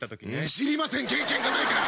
知りません経験がないから！